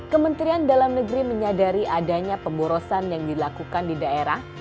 kementerian dalam negeri menyadari adanya pemborosan yang dilakukan di daerah